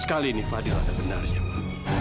sekali ini fadil ada benarnya mama